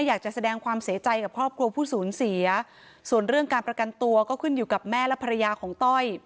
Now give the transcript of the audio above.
อยากจะแสดงความเสียใจกับครอบครัวผู้สูญเสียส่วนเรื่องการประกันตัวก็ขึ้นอยู่กับแม่และภรรยาของต้อย